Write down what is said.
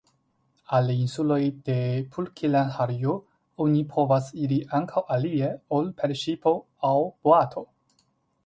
Al insuloj de Pulkkilanharju oni povas iri ankaŭ alie ol per ŝipo aŭ boato.